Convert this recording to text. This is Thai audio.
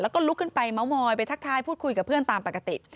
แล้วก็ลุกขึ้นไปเมาส์มอยไปทักทายพูดคุยกับเพื่อนตามปกติ